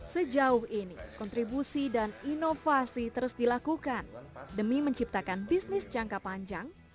sejauh ini kontribusi dan inovasi terus dilakukan demi menciptakan bisnis jangka panjang